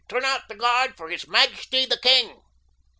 "Turn out the guard for his majesty, the king!"